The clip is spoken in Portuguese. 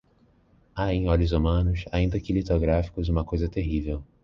Há em olhos humanos, ainda que litográficos, uma coisa terrível